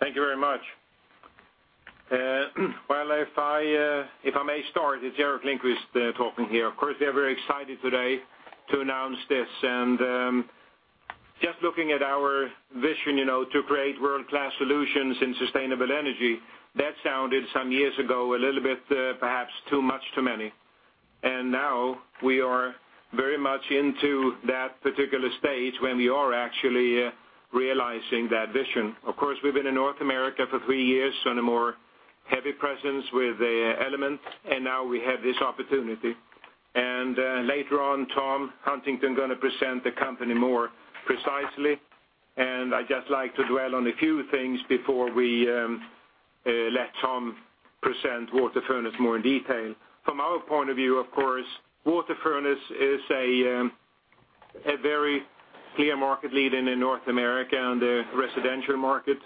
Thank you very much. Well, if I may start, it's EGerteric Lindquist talking here. We are very excited today to announce this. Just looking at our vision to create world-class solutions in sustainable energy, that sounded, some years ago, a little bit perhaps too much to many. Now we are very much into that particular stage when we are actually realizing that vision. We've been in North America for 3 years, in a more heavy presence with the elements, now we have this opportunity. Later on, Tom Huntington going to present the company more precisely, I'd just like to dwell on a few things before we let Tom present WaterFurnace more in detail. From our point of view, WaterFurnace is a very clear market leader in North America on the residential market,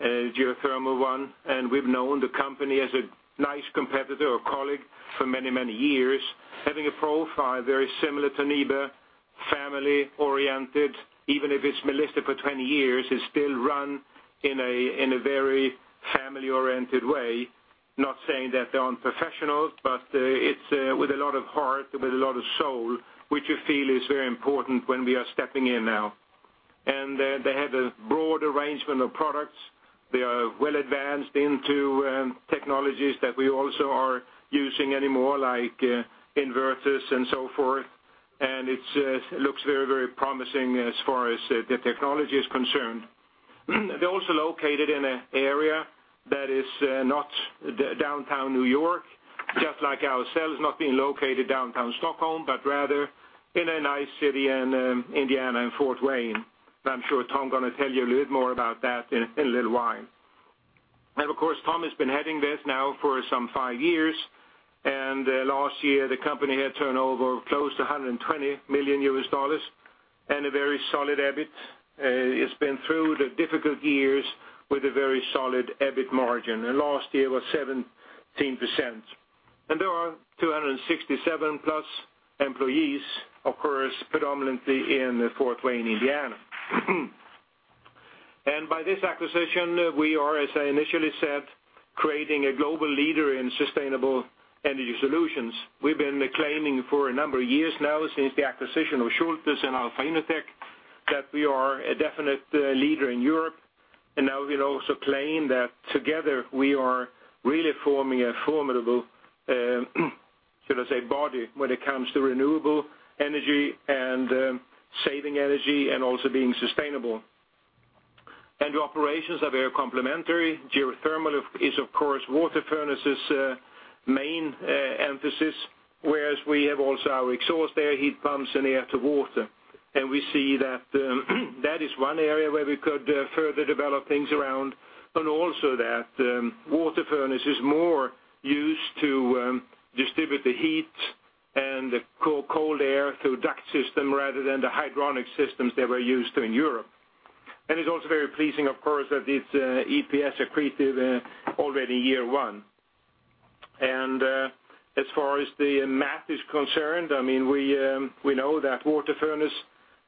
geothermal one, we've known the company as a nice competitor or colleague for many years, having a profile very similar to NIBE, family-oriented. Even if it's been listed for 20 years, it's still run in a very family-oriented way. Not saying that they aren't professionals, it's with a lot of heart, with a lot of soul, which we feel is very important when we are stepping in now. They have a broad arrangement of products. They are well advanced into technologies that we also are using anymore, like inverters and so forth. It looks very promising as far as the technology is concerned. They're also located in an area that is not downtown New York, just like our sale has not been located downtown Stockholm, rather in a nice city in Indiana, in Fort Wayne. I'm sure Tom going to tell you a little bit more about that in a little while. Tom has been heading this now for some 5 years, last year the company had turnover of close to $120 million, a very solid EBIT. It's been through the difficult years with a very solid EBIT margin, last year was 17%. There are 267-plus employees, predominantly in Fort Wayne, Indiana. By this acquisition, we are, as I initially said, creating a global leader in sustainable energy solutions. We've been claiming for a number of years now, since the acquisition of Schulthess and Alpha Innotec, that we are a definite leader in Europe, now we'll also claim that together we are really forming a formidable, should I say, body, when it comes to renewable energy and saving energy and also being sustainable. The operations are very complementary. Geothermal is, WaterFurnace's main emphasis, whereas we have also our exhaust air heat pumps, and air-to-water. We see that that is one area where we could further develop things around, also that WaterFurnace is more used to distribute the heat and the cold air through duct system rather than the hydronic systems that we're used to in Europe. It's also very pleasing, that this EPS accretive already year one. As far as the math is concerned, we know that WaterFurnace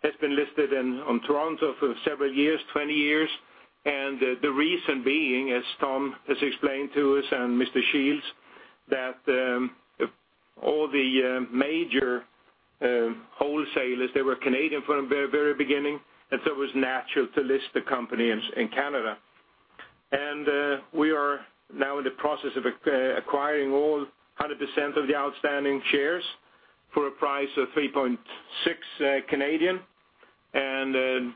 has been listed in Toronto for several years, 20 years, the reason being, as Tom has explained to us, and Mr. Shields, that all the major wholesalers, they were Canadian from the very beginning, it was natural to list the company in Canada. We are now in the process of acquiring all 100% of the outstanding shares for a price of 3.6.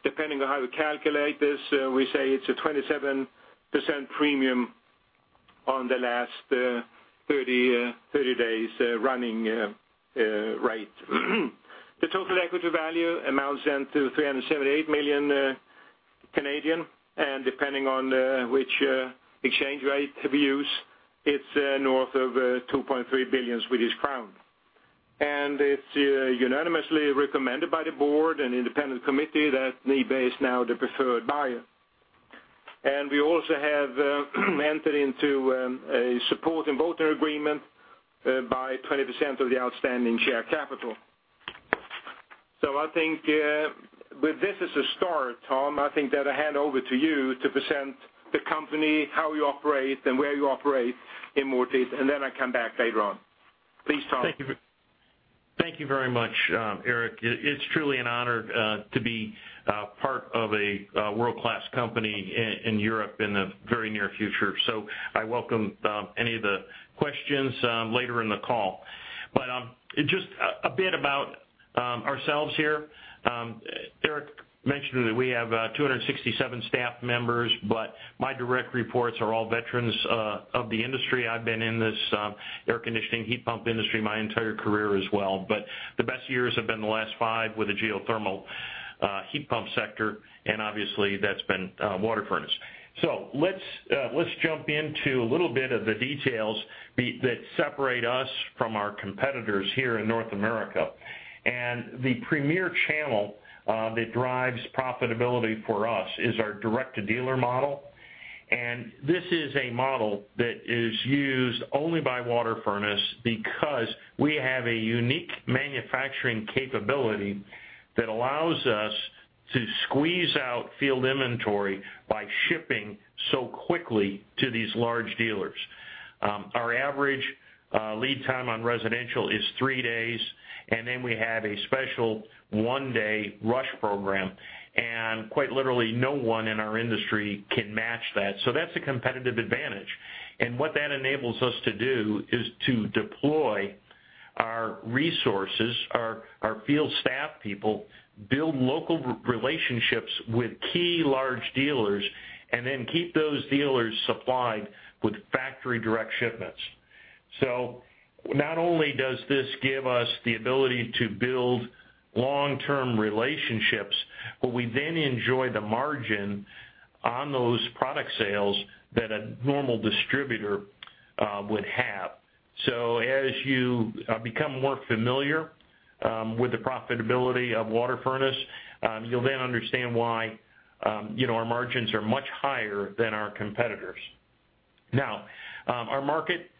Depending on how you calculate this, we say it's a 27% premium on the last 30 days running rate. The total equity value amounts then to 378 million, depending on which exchange rate we use, it's north of 2.3 billion Swedish crown. It's unanimously recommended by the board and independent committee that Nibe is now the preferred buyer. We also have entered into a support and voter agreement by 20% of the outstanding share capital. I think with this as a start, Tom, I think that I hand over to you to present the company, how you operate and where you operate in more detail, I come back later on. Please, Tom. Thank you very much, Gerteric. It's truly an honor to be part of a world-class company in Europe in the very near future. I welcome any of the questions later in the call. Just a bit about ourselves here. Gerteric mentioned that we have 267 staff members, my direct reports are all veterans of the industry. I have been in this air conditioning heat pump industry my entire career as well, the best years have been the last five with the geothermal heat pump sector, obviously that's been WaterFurnace. Let's jump into a little bit of the details that separate us from our competitors here in North America. The premier channel that drives profitability for us is our direct-to-dealer model. This is a model that is used only by WaterFurnace because we have a unique manufacturing capability that allows us to squeeze out field inventory by shipping so quickly to these large dealers. Our average lead time on residential is three days, we have a special one-day rush program, quite literally no one in our industry can match that. That's a competitive advantage. What that enables us to do is to deploy our resources, our field staff people, build local relationships with key large dealers, keep those dealers supplied with factory direct shipments. Not only does this give us the ability to build long-term relationships, we then enjoy the margin on those product sales that a normal distributor would have. As you become more familiar with the profitability of WaterFurnace, you'll then understand why our margins are much higher than our competitors. Our market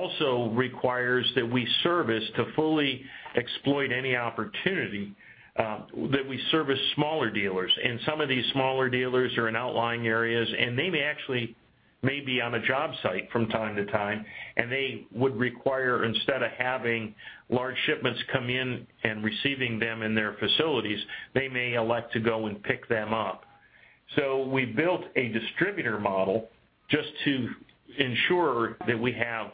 also requires that we service to fully exploit any opportunity, that we service smaller dealers. Some of these smaller dealers are in outlying areas, and they may actually be on a job site from time to time, and they would require, instead of having large shipments come in and receiving them in their facilities, they may elect to go and pick them up. We built a distributor model just to ensure that we have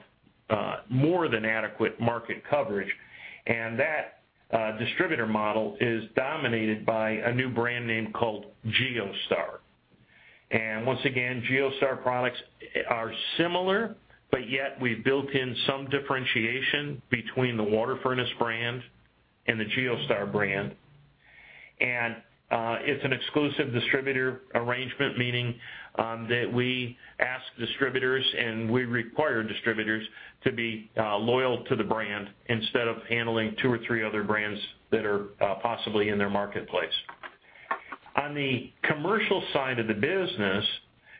more than adequate market coverage, and that distributor model is dominated by a new brand name called GeoStar. Once again, GeoStar products are similar, but yet we've built in some differentiation between the WaterFurnace brand and the GeoStar brand. It's an exclusive distributor arrangement, meaning that we ask distributors, and we require distributors to be loyal to the brand instead of handling two or three other brands that are possibly in their marketplace. On the commercial side of the business,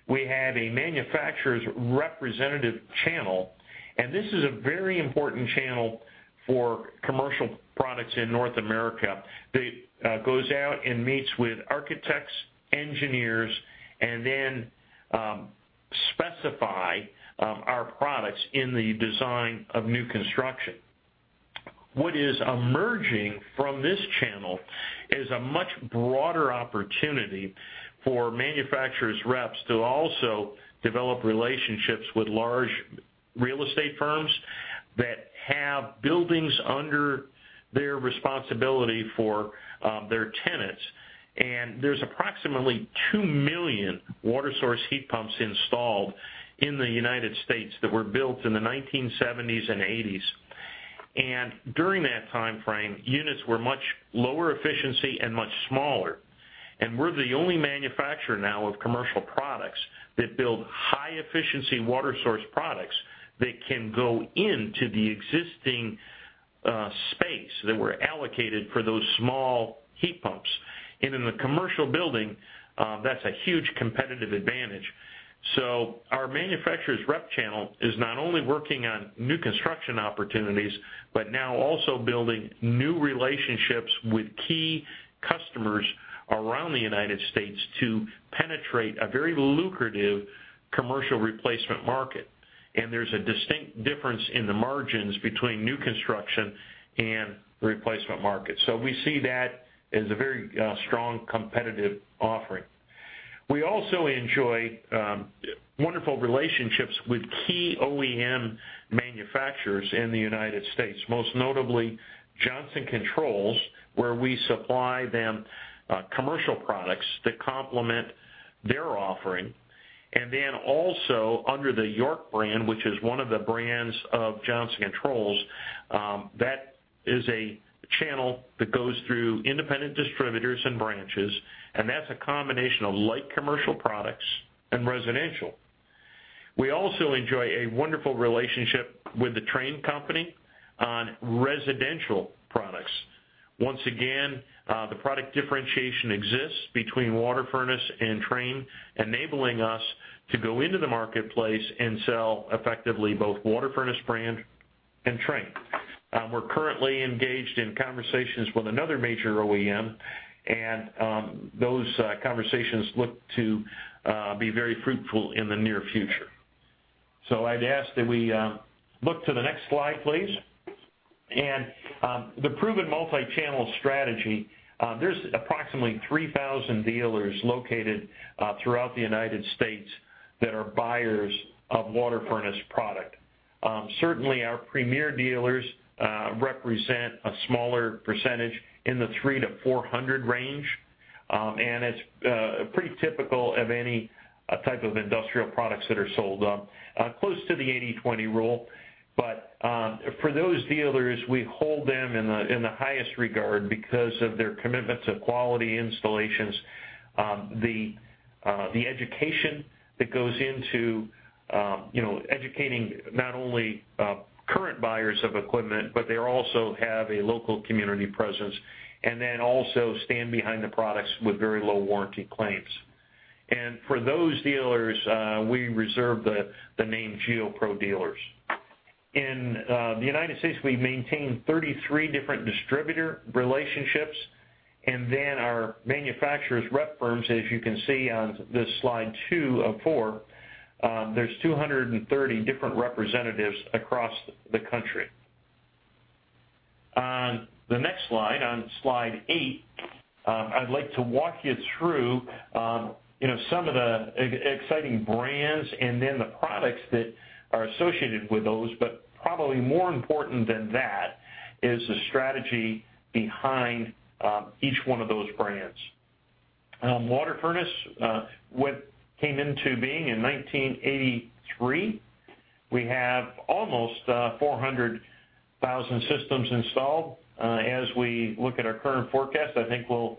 we have a manufacturer's representative channel. This is a very important channel for commercial products in North America that goes out and meets with architects, engineers, and then specify our products in the design of new construction. What is emerging from this channel is a much broader opportunity for manufacturer's reps to also develop relationships with large real estate firms that have buildings under their responsibility for their tenants. There's approximately 2 million water source heat pumps installed in the U.S. that were built in the 1970s and '80s. During that timeframe, units were much lower efficiency and much smaller. We're the only manufacturer now of commercial products that build high efficiency water source products that can go into the existing space that were allocated for those small heat pumps. In the commercial building, that's a huge competitive advantage. Our manufacturer's rep channel is not only working on new construction opportunities, but now also building new relationships with key customers around the U.S. to penetrate a very lucrative commercial replacement market. There's a distinct difference in the margins between new construction and the replacement market. We see that as a very strong competitive offering. We also enjoy wonderful relationships with key OEM manufacturers in the U.S., most notably Johnson Controls, where we supply them commercial products that complement their offering. Also under the YORK brand, which is one of the brands of Johnson Controls, that is a channel that goes through independent distributors and branches, and that's a combination of light commercial products and residential. We also enjoy a wonderful relationship with the Trane company on residential products. Once again, the product differentiation exists between WaterFurnace and Trane, enabling us to go into the marketplace and sell effectively both WaterFurnace brand and Trane. We're currently engaged in conversations with another major OEM. Those conversations look to be very fruitful in the near future. I'd ask that we look to the next slide, please. The proven multi-channel strategy, there's approximately 3,000 dealers located throughout the U.S. that are buyers of WaterFurnace product. Certainly, our premier dealers represent a smaller percentage in the three to 400 range. It's pretty typical of any type of industrial products that are sold. Close to the 80/20 rule. For those dealers, we hold them in the highest regard because of their commitment to quality installations. The education that goes into educating not only current buyers of equipment, but they also have a local community presence, and then also stand behind the products with very low warranty claims. For those dealers, we reserve the name GeoPro dealers. In the U.S., we maintain 33 different distributor relationships, and then our manufacturer's rep firms, as you can see on this slide two of four, there are 230 different representatives across the country. On the next slide, on slide eight, I'd like to walk you through some of the exciting brands and then the products that are associated with those, probably more important than that is the strategy behind each one of those brands. WaterFurnace, what came into being in 1983, we have almost 400,000 systems installed. As we look at our current forecast, I think we'll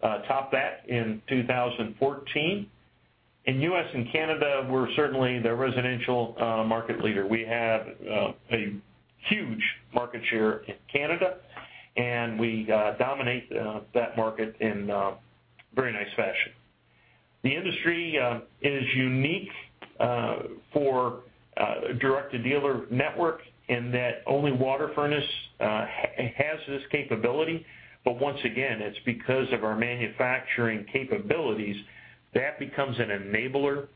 top that in 2014. In the U.S. and Canada, we're certainly the residential market leader. We have a huge market share in Canada, and we dominate that market in a very nice fashion. The industry is unique for a direct-to-dealer network in that only WaterFurnace has this capability. Once again, it's because of our manufacturing capabilities that becomes an enabler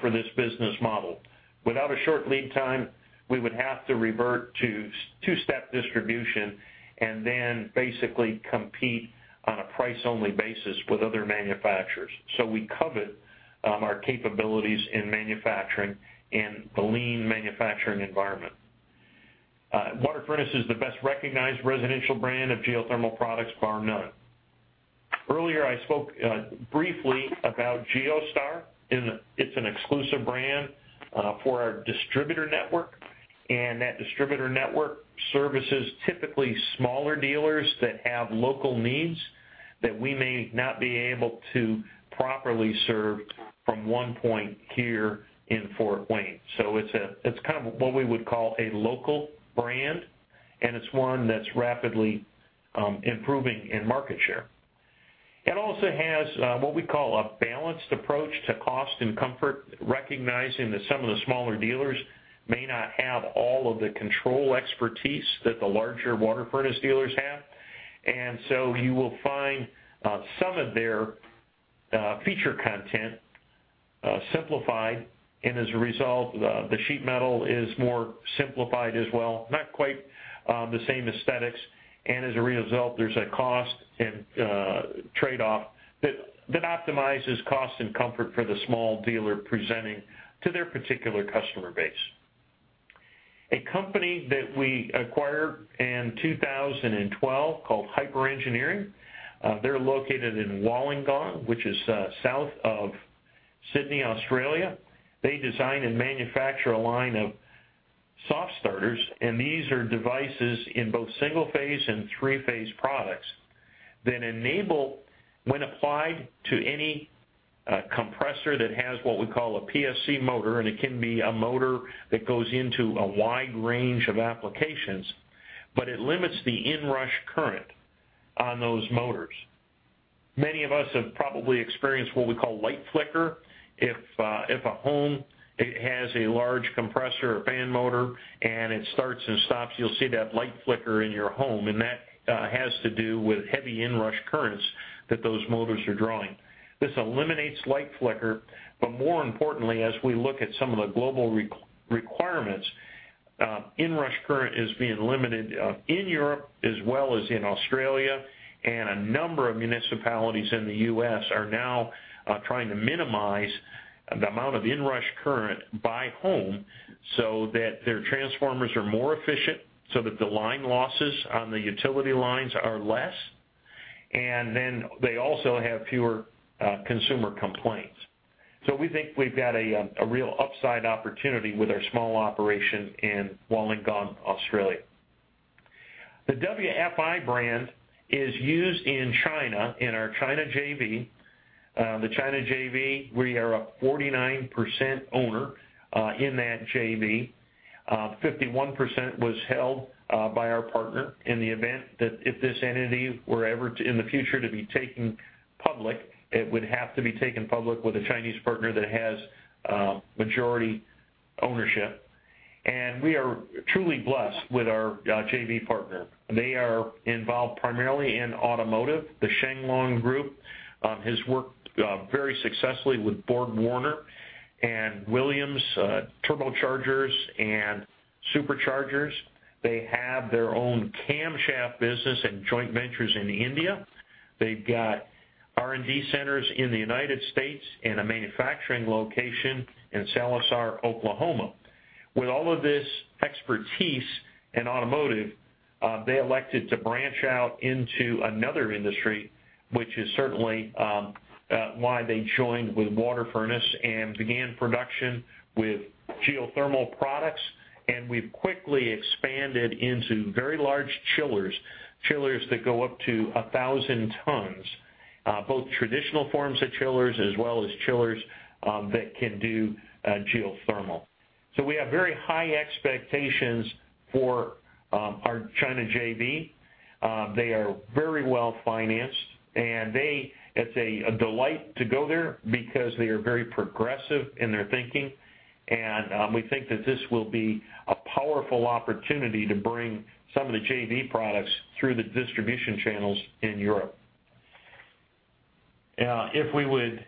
for this business model. Without a short lead time, we would have to revert to two-step distribution and then basically compete on a price-only basis with other manufacturers. We covet our capabilities in manufacturing and the lean manufacturing environment. WaterFurnace is the best recognized residential brand of geothermal products, bar none. Earlier, I spoke briefly about GeoStar. It's an exclusive brand for our distributor network, and that distributor network services typically smaller dealers that have local needs that we may not be able to properly serve from one point here in Fort Wayne. It's kind of what we would call a local brand, and it's one that's rapidly improving in market share. It also has what we call a balanced approach to cost and comfort, recognizing that some of the smaller dealers may not have all of the control expertise that the larger WaterFurnace dealers have. You will find some of their feature content simplified, and as a result, the sheet metal is more simplified as well, not quite the same aesthetics. As a result, there's a cost and trade-off that optimizes cost and comfort for the small dealer presenting to their particular customer base. A company that we acquired in 2012 called Hyper Engineering. They're located in Wollongong, which is south of Sydney, Australia. They design and manufacture a line of soft starters, and these are devices in both single-phase and three-phase products that enable, when applied to any compressor that has what we call a PSC motor, and it can be a motor that goes into a wide range of applications, but it limits the inrush current on those motors. Many of us have probably experienced what we call light flicker. If a home has a large compressor or fan motor and it starts and stops, you'll see that light flicker in your home, and that has to do with heavy inrush currents that those motors are drawing. This eliminates light flicker, but more importantly, as we look at some of the global requirements, inrush current is being limited in Europe as well as in Australia, and a number of municipalities in the U.S. are now trying to minimize the amount of inrush current by home so that their transformers are more efficient, so that the line losses on the utility lines are less, and then they also have fewer consumer complaints. We think we've got a real upside opportunity with our small operation in Wollongong, Australia. The WFI brand is used in China in our China JV. The China JV, we are a 49% owner in that JV. 51% was held by our partner in the event that if this entity were ever in the future to be taken public, it would have to be taken public with a Chinese partner that has majority ownership. We are truly blessed with our JV partner. They are involved primarily in automotive. The Shenglong Group has worked very successfully with BorgWarner and Williams Turbochargers and Superchargers. They have their own camshaft business and joint ventures in India. They've got R&D centers in the United States and a manufacturing location in Sallisaw, Oklahoma. With all of this expertise in automotive, they elected to branch out into another industry, which is certainly why they joined with WaterFurnace and began production with geothermal products. We've quickly expanded into very large chillers that go up to 1,000 tons. Both traditional forms of chillers as well as chillers that can do geothermal. We have very high expectations for our China JV. They are very well-financed, and it's a delight to go there because they are very progressive in their thinking, and we think that this will be a powerful opportunity to bring some of the JV products through the distribution channels in Europe. If we would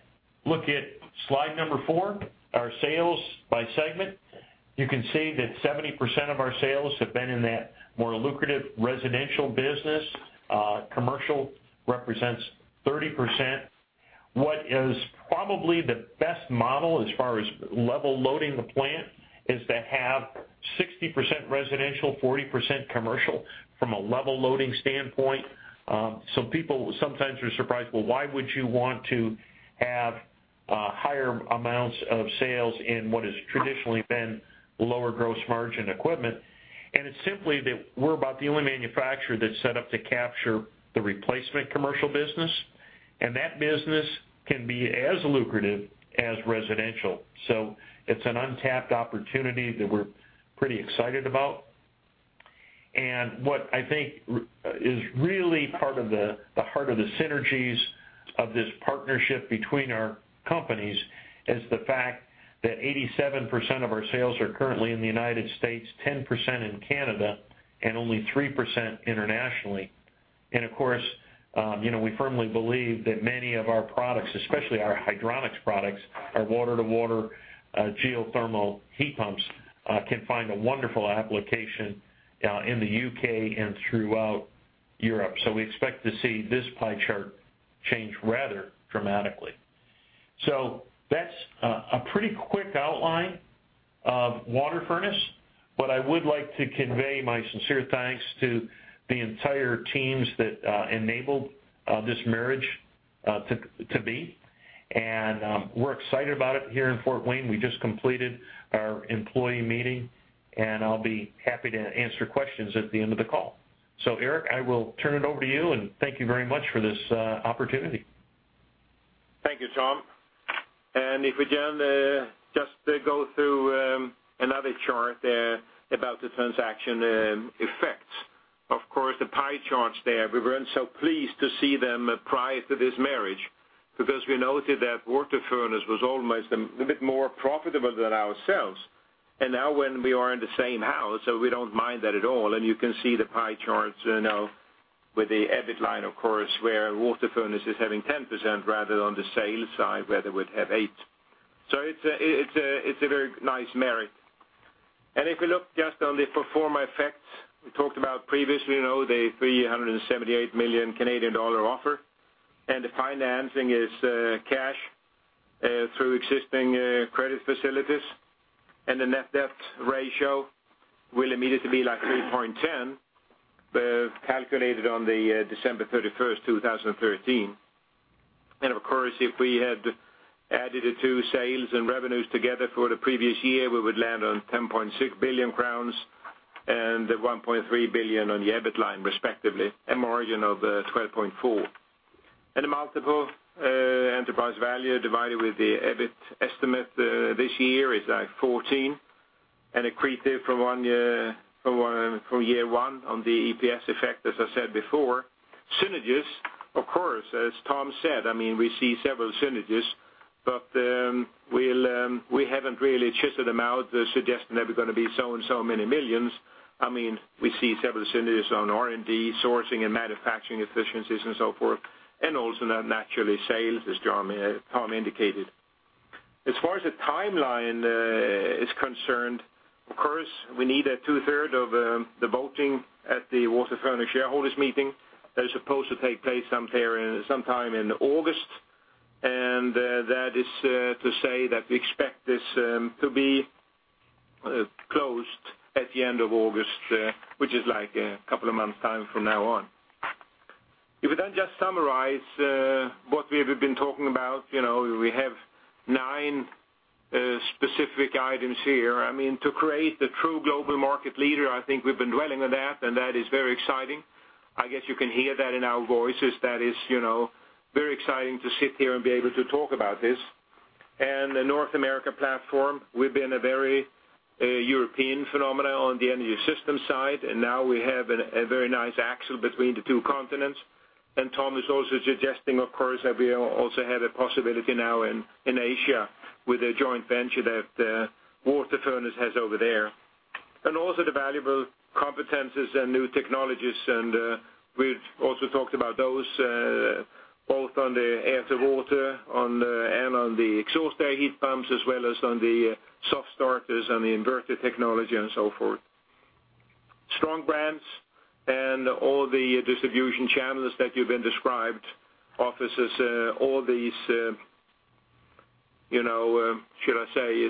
look at slide number four, our sales by segment, you can see that 70% of our sales have been in that more lucrative residential business. Commercial represents 30%. What is probably the best model as far as level loading the plant is to have 60% residential, 40% commercial from a level loading standpoint. People sometimes are surprised, well, why would you want to have higher amounts of sales in what has traditionally been lower gross margin equipment? It's simply that we're about the only manufacturer that's set up to capture the replacement commercial business, and that business can be as lucrative as residential. It's an untapped opportunity that we're pretty excited about. What I think is really part of the heart of the synergies of this partnership between our companies is the fact that 87% of our sales are currently in the United States, 10% in Canada, and only 3% internationally. Of course, we firmly believe that many of our products, especially our hydronics products, our water-to-water geothermal heat pumps, can find a wonderful application in the U.K. and throughout Europe. We expect to see this pie chart change rather dramatically. That's a pretty quick outline of WaterFurnace, but I would like to convey my sincere thanks to the entire teams that enabled this marriage to be. We're excited about it here in Fort Wayne. We just completed our employee meeting, and I will be happy to answer questions at the end of the call. Eric, I will turn it over to you, and thank you very much for this opportunity. Thank you, Tom. If we then just go through another chart about the transaction effects. Of course, the pie charts there, we weren't so pleased to see them prior to this marriage because we noted that WaterFurnace was almost a bit more profitable than ourselves. Now when we are in the same house, we don't mind that at all. You can see the pie charts now with the EBIT line, of course, where WaterFurnace is having 10% rather on the sales side where they would have 8%. It's a very nice marriage. If we look just on the pro forma effects, we talked about previously, the 378 million Canadian dollar offer, and the financing is cash through existing credit facilities. The net debt ratio will immediately be like 3.10, calculated on the December 31st, 2013. Of course, if we had added the 2 sales and revenues together for the previous year, we would land on 10.6 billion crowns and 1.3 billion on the EBIT line, respectively, a margin of 12.4%. The multiple enterprise value divided with the EBIT estimate this year is like 14x, and accretive from year one on the EPS effect, as I said before. Synergies, of course, as Tom said, we see several synergies, but we haven't really shifted them out, suggesting that we're going to be so and so many millions. We see several synergies on R&D, sourcing, and manufacturing efficiencies and so forth, and also naturally sales, as Tom indicated. As far as the timeline is concerned, of course, we need two-third of the voting at the WaterFurnace shareholders meeting that is supposed to take place sometime in August. That is to say that we expect this to be closed at the end of August, which is like a couple of months' time from now on. If we then just summarize what we have been talking about, we have 9 specific items here. To create the true global market leader, I think we've been dwelling on that, and that is very exciting. I guess you can hear that in our voices, that it's very exciting to sit here and be able to talk about this. The North America platform, we've been a very European phenomenon on the energy system side, and now we have a very nice axle between the 2 continents. Tom is also suggesting, of course, that we also have a possibility now in Asia with a joint venture that WaterFurnace has over there. Also the valuable competencies and new technologies, and we've also talked about those, both on the air-to-water and on the exhaust air heat pumps, as well as on the soft starters and the inverter technology and so forth. Strong brands and all the distribution channels that you've been described offers us all these, should I say,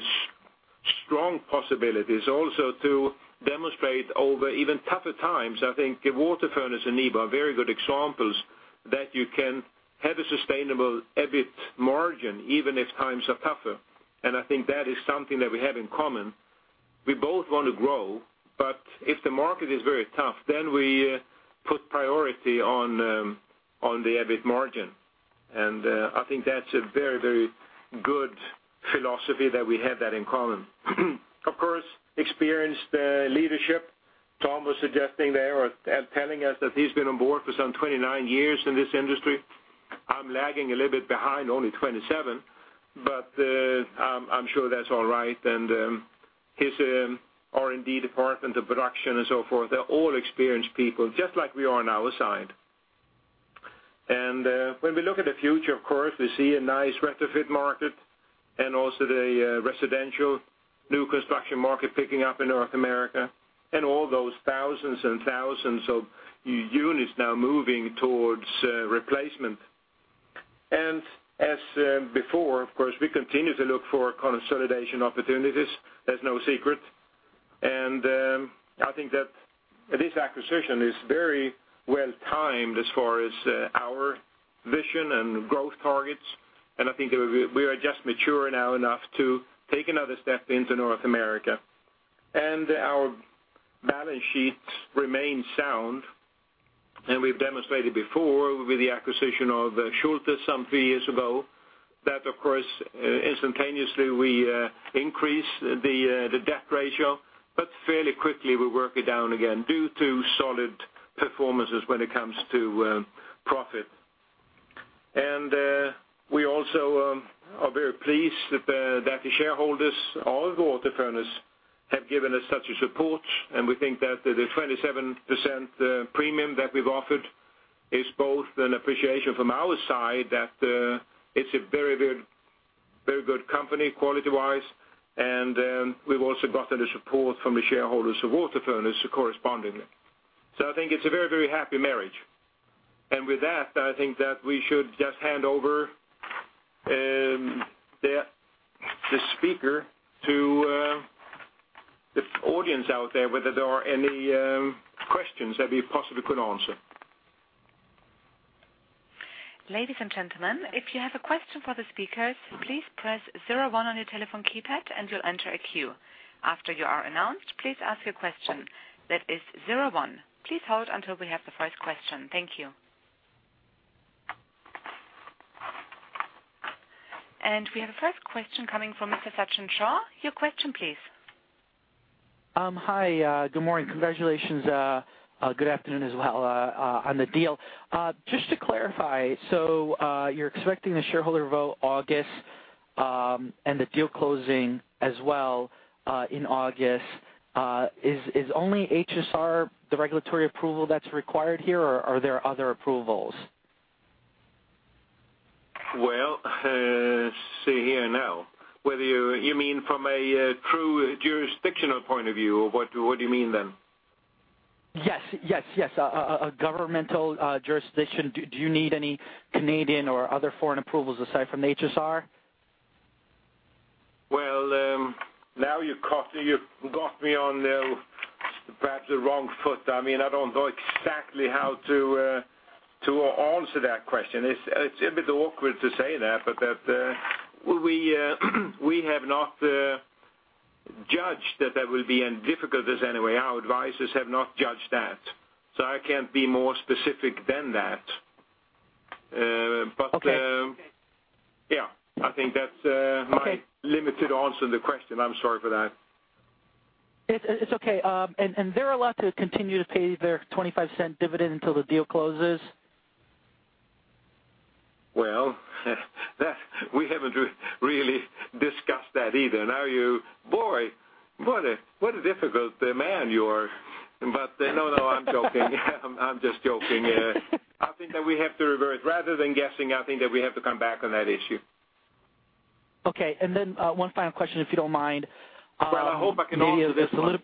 strong possibilities also to demonstrate over even tougher times. I think WaterFurnace and Nibe are very good examples that you can have a sustainable EBIT margin even if times are tougher. I think that is something that we have in common. We both want to grow, but if the market is very tough, then we put priority on the EBIT margin. I think that's a very good philosophy that we have that in common. Of course, experienced leadership, Tom was suggesting there, or telling us, that he's been on board for some 29 years in this industry. I'm lagging a little bit behind, only 27, but I'm sure that's all right. His R&D department, the production and so forth, they're all experienced people, just like we are on our side. When we look at the future, of course, we see a nice retrofit market and also the residential new construction market picking up in North America and all those thousands and thousands of units now moving towards replacement. As before, of course, we continue to look for consolidation opportunities. That's no secret. I think that this acquisition is very well-timed as far as our vision and growth targets, and I think that we are just mature now enough to take another step into North America. Our balance sheets remain sound, and we've demonstrated before with the acquisition of Schulthess some three years ago, that of course, instantaneously we increase the debt ratio, but fairly quickly we work it down again due to solid performances when it comes to profit. We also are very pleased that the shareholders of WaterFurnace have given us such a support, and we think that the 27% premium that we've offered is both an appreciation from our side that it's a very good company quality-wise, and we've also gotten the support from the shareholders of WaterFurnace correspondingly. I think it's a very happy marriage. With that, I think that we should just hand over the speaker to the audience out there, whether there are any questions that we possibly could answer. Ladies and gentlemen, if you have a question for the speakers, please press zero one on your telephone keypad and you'll enter a queue. After you are announced, please ask your question. That is zero one. Please hold until we have the first question. Thank you. We have a first question coming from Mr. Sachin Shah. Your question please. Hi, good morning. Congratulations, good afternoon as well, on the deal. Just to clarify, you're expecting the shareholder vote August, and the deal closing as well, in August. Is only HSR the regulatory approval that's required here or are there other approvals? Well, see here now. You mean from a true jurisdictional point of view? What do you mean then? Yes. A governmental jurisdiction. Do you need any Canadian or other foreign approvals aside from HSR? Well, now you've got me on perhaps the wrong foot. I don't know exactly how to answer that question. It's a bit awkward to say that, we have not judged that there will be any difficulties anyway. Our advisors have not judged that, I can't be more specific than that. Okay. Yeah. I think that's my limited answer on the question. I'm sorry for that. It's okay. Are they allowed to continue to pay their $0.25 dividend until the deal closes? Well, we haven't really discussed that either. Now you, boy, what a difficult man you are. No, I'm joking. I'm just joking. I think that we have to reverse. Rather than guessing, I think that we have to come back on that issue. Okay, one final question, if you don't mind. Well, I hope I can answer this one.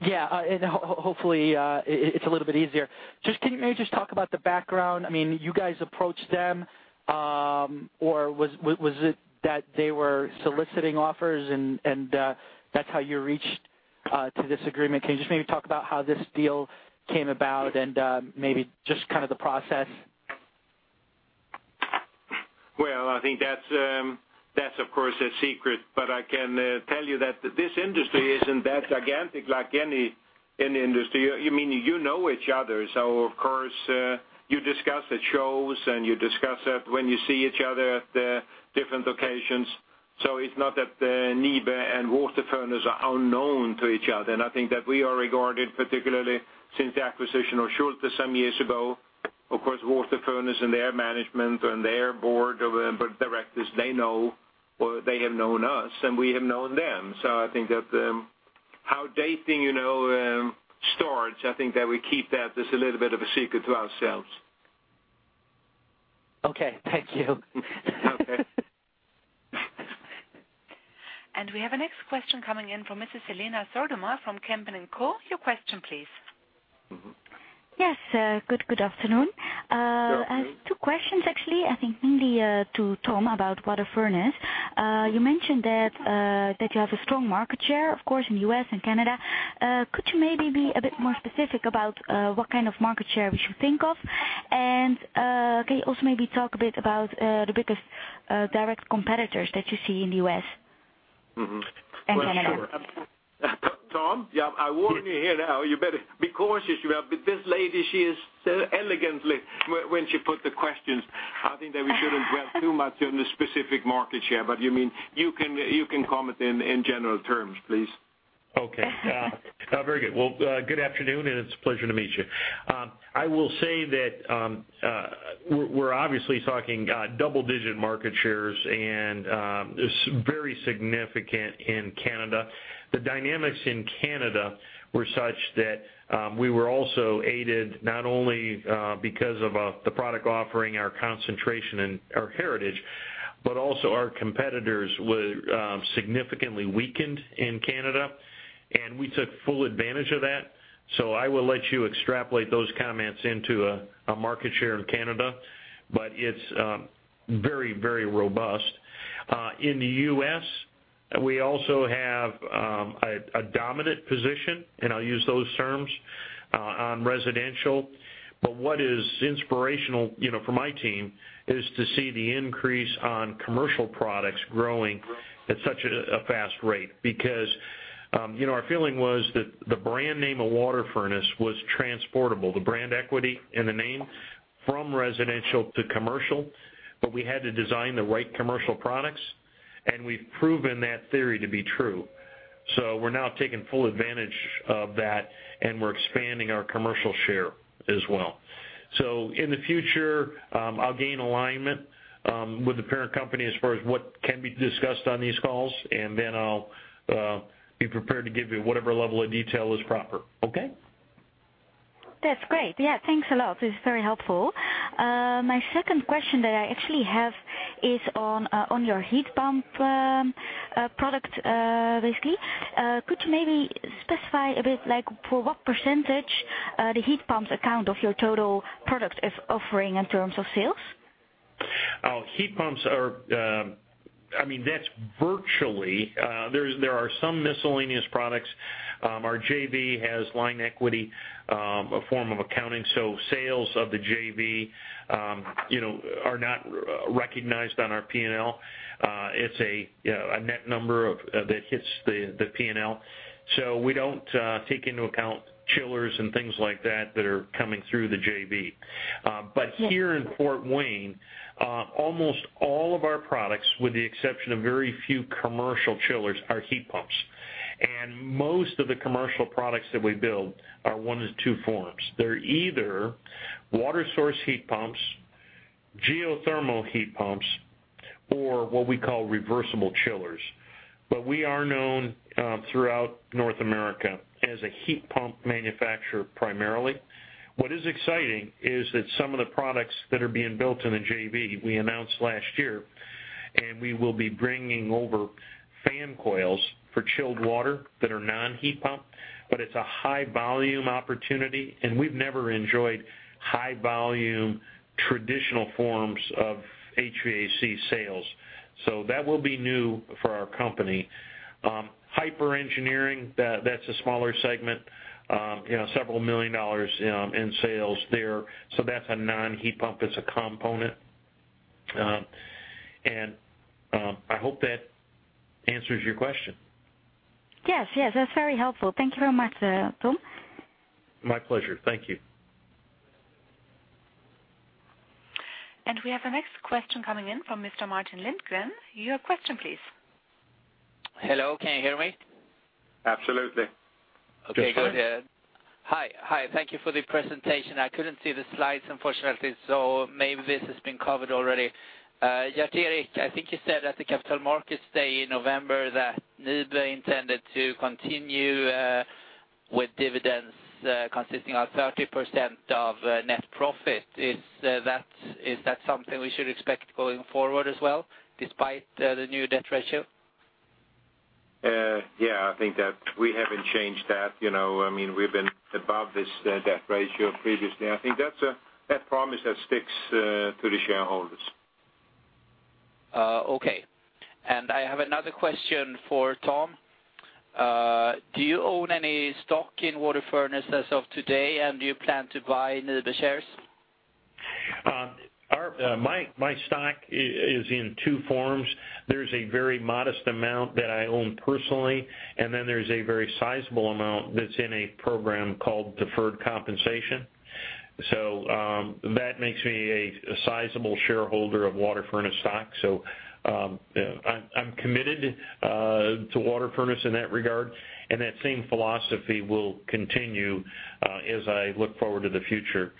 Yeah, hopefully, it's a little bit easier. Can you maybe just talk about the background? You guys approached them, or was it that they were soliciting offers and that's how you reached to this agreement? Can you just maybe talk about how this deal came about and maybe just kind of the process? Well, I think that's of course a secret, but I can tell you that this industry isn't that gigantic like any industry. You know each other, so of course, you discuss at shows, and you discuss it when you see each other at the different locations. It's not that Nibe and WaterFurnace are unknown to each other. I think that we are regarded, particularly since the acquisition of Schulthess some years ago, of course, WaterFurnace and their management and their board of directors, they know, or they have known us, and we have known them. I think that how dating starts, I think that we keep that as a little bit of a secret to ourselves. Okay. Thank you. Okay. We have a next question coming in from Mrs. Helena Söderman from Kempen & Co. Your question, please. Yes. Good afternoon. Good afternoon. I have two questions, actually, I think mainly to Tom about WaterFurnace. You mentioned that you have a strong market share, of course, in the U.S. and Canada. Could you maybe be a bit more specific about what kind of market share we should think of? Can you also maybe talk a bit about the biggest direct competitors that you see in the U.S. and Canada? Tom, I warn you here now, you better be cautious. This lady, she is so elegant when she puts the questions. I think that we shouldn't dwell too much on the specific market share, but you can comment in general terms, please. Okay. Very good. Well, good afternoon, and it's a pleasure to meet you. I will say that we're obviously talking double-digit market shares, and it's very significant in Canada. The dynamics in Canada were such that we were also aided not only because of the product offering, our concentration and our heritage, but also our competitors were significantly weakened in Canada, and we took full advantage of that. I will let you extrapolate those comments into a market share in Canada, but it's very robust. In the U.S., we also have a dominant position, and I'll use those terms, on residential. What is inspirational for my team is to see the increase on commercial products growing at such a fast rate. Our feeling was that the brand name of WaterFurnace was transportable, the brand equity and the name, from residential to commercial, but we had to design the right commercial products, and we've proven that theory to be true. We're now taking full advantage of that, and we're expanding our commercial share as well. In the future, I'll gain alignment with the parent company as far as what can be discussed on these calls, and then I'll be prepared to give you whatever level of detail is proper. Okay? That's great. Yeah, thanks a lot. This is very helpful. My second question that I actually have is on your heat pump product, basically. Could you maybe specify a bit for what % the heat pumps account of your total product offering in terms of sales? There are some miscellaneous products. Our JV has line equity, a form of accounting, so sales of the JV are not recognized on our P&L. It's a net number that hits the P&L. We don't take into account chillers and things like that that are coming through the JV. Here in Fort Wayne, almost all of our products, with the exception of very few commercial chillers, are heat pumps. Most of the commercial products that we build are one of two forms. They're either water source heat pumps, geothermal heat pumps, or what we call reversible chillers. We are known throughout North America as a heat pump manufacturer primarily. What is exciting is that some of the products that are being built in the JV we announced last year. We will be bringing over fan coils for chilled water that are non-heat pump. It's a high volume opportunity. We've never enjoyed high volume traditional forms of HVAC sales. That will be new for our company. Hyper Engineering, that's a smaller segment, several million USD in sales there. That's a non-heat pump. It's a component. I hope that answers your question. Yes. That's very helpful. Thank you very much, Tom. My pleasure. Thank you. We have the next question coming in from Mr. Martin Lindqvist. Your question, please. Hello, can you hear me? Absolutely. Okay, go ahead. Yes, Martin. Hi. Thank you for the presentation. I couldn't see the slides, unfortunately, so maybe this has been covered already. Gerteric, I think you said at the Capital Markets Day in November that Nibe intended to continue with dividends consisting of 30% of net profit. Is that something we should expect going forward as well, despite the new debt ratio? Yeah, I think that we haven't changed that. We've been above this debt ratio previously. I think that promise that sticks to the shareholders. Okay. I have another question for Tom. Do you own any stock in WaterFurnace as of today, and do you plan to buy Nibe shares? My stock is in two forms. There's a very modest amount that I own personally, and then there's a very sizable amount that's in a program called deferred compensation. That makes me a sizable shareholder of WaterFurnace stock. I'm committed to WaterFurnace in that regard, and that same philosophy will continue as I look forward to the future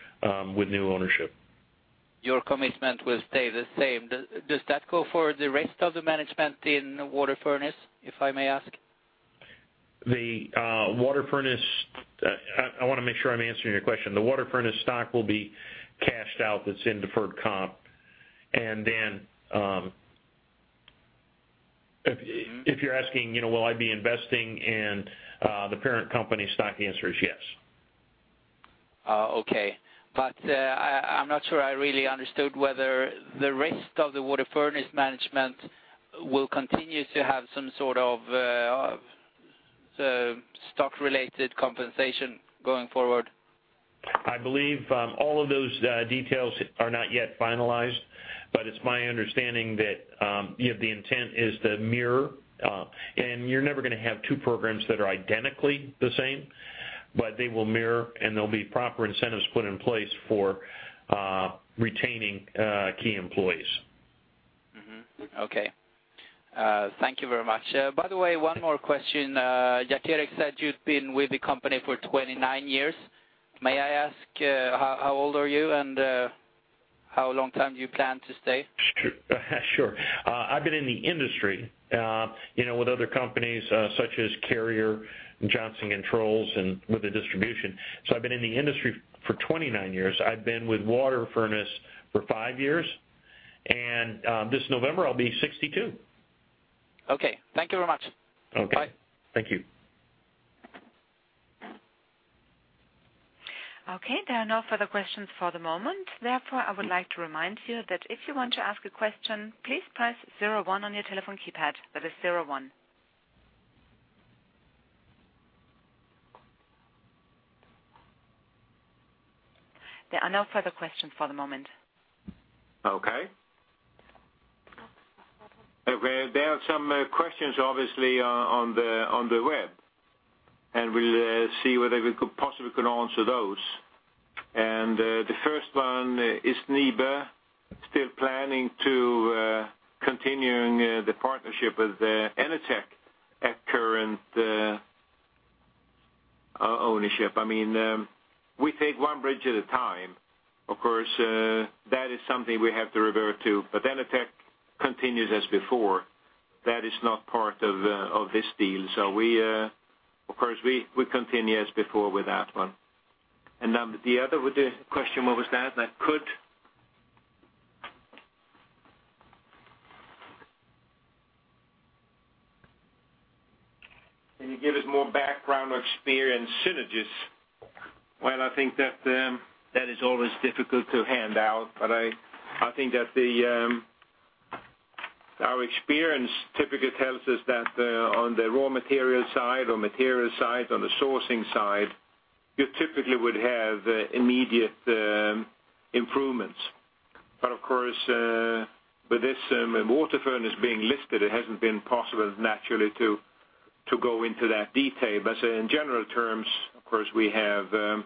with new ownership. Your commitment will stay the same. Does that go for the rest of the management in WaterFurnace, if I may ask? I want to make sure I'm answering your question. The WaterFurnace stock will be cashed out that's in deferred comp. Then, if you're asking will I be investing in the parent company stock, the answer is yes. Okay. I'm not sure I really understood whether the rest of the WaterFurnace management will continue to have some sort of stock related compensation going forward. I believe all of those details are not yet finalized, but it's my understanding that the intent is to mirror. You're never going to have two programs that are identically the same, but they will mirror, and there'll be proper incentives put in place for retaining key employees. Mm-hmm. Okay. Thank you very much. By the way, one more question. Gerteric said you've been with the company for 29 years. May I ask how old are you, and how long time do you plan to stay? Sure. I've been in the industry with other companies such as Carrier and Johnson Controls, and with the distribution. I've been in the industry for 29 years. I've been with WaterFurnace for five years. This November, I'll be 62. Okay. Thank you very much. Okay. Bye. Thank you. Okay, there are no further questions for the moment. Therefore, I would like to remind you that if you want to ask a question, please press 01 on your telephone keypad. That is 01. There are no further questions for the moment. Okay. There are some questions, obviously, on the web, and we'll see whether we possibly can answer those. The first one: Is NIBE still planning to continuing the partnership with Enertech at current ownership? We take one bridge at a time. Of course, that is something we have to revert to. Enertech continues as before. That is not part of this deal. Of course, we continue as before with that one. The other question, what was that? Can you give us more background or experience synergies? Well, I think that is always difficult to hand out. I think that our experience typically tells us that on the raw material side or material side, on the sourcing side, you typically would have immediate improvements. Of course, with this WaterFurnace being listed, it hasn't been possible naturally to go into that detail. In general terms, of course, we have the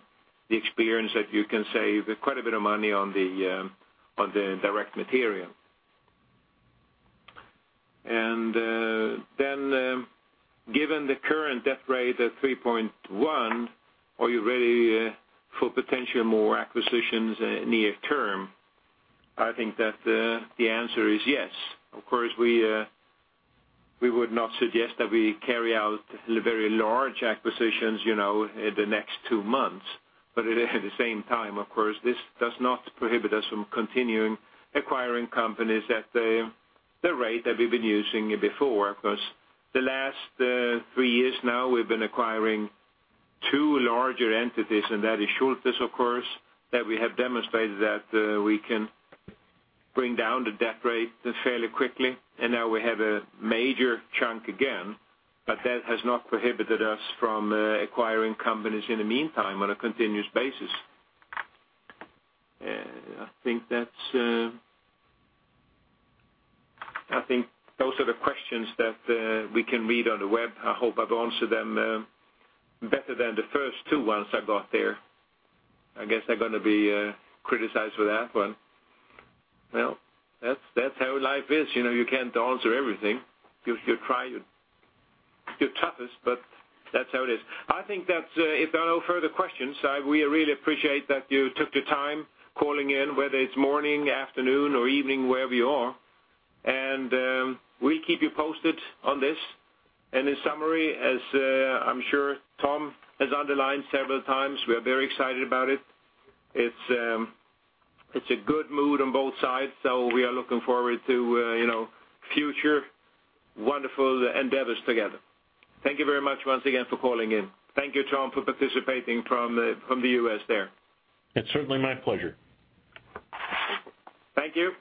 experience that you can save quite a bit of money on the direct material. Then given the current debt rate of 3.1, are you ready for potential more acquisitions near term? I think that the answer is yes. Of course, we would not suggest that we carry out very large acquisitions in the next two months. At the same time, of course, this does not prohibit us from continuing acquiring companies at the rate that we've been using before. Because the last three years now, we've been acquiring two larger entities, that is Schulthess, of course, that we have demonstrated that we can bring down the debt rate fairly quickly. Now we have a major chunk again, that has not prohibited us from acquiring companies in the meantime on a continuous basis. I think those are the questions that we can read on the web. I hope I've answered them better than the first two ones I got there. I guess I'm going to be criticized for that one. Well, that's how life is. You can't answer everything. You try your toughest, that's how it is. I think that if there are no further questions, we really appreciate that you took the time calling in, whether it's morning, afternoon, or evening, wherever you are. We keep you posted on this. In summary, as I'm sure Tom has underlined several times, we are very excited about it. It's a good mood on both sides. We are looking forward to future wonderful endeavors together. Thank you very much once again for calling in. Thank you, Tom, for participating from the U.S. there. It's certainly my pleasure. Thank you.